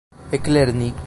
eklerni